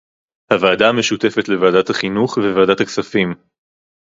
הוועדה המשותפת לוועדת החינוך וועדת הכספים